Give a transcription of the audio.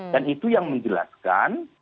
dan itu yang menjelaskan